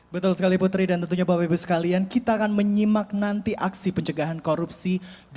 betul sekali putri dan tentunya bapak ibu sekalian kita akan menyimak nanti aksi pencegahan korupsi dua ribu dua puluh tiga dua ribu dua puluh empat